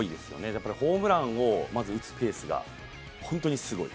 やっぱりホームランを打つペースが本当にすごい。